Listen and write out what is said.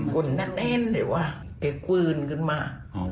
คุณนะเอ็นหรือว่าเก็บพื้นขึ้นมา